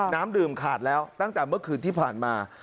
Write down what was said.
น้ำดื่มขาดแล้วตั้งแต่เมื่อคืนที่ผ่านมา